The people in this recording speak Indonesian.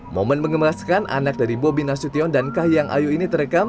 momen mengemaskan anak dari bobi nasution dan kahiyang ayu ini terekam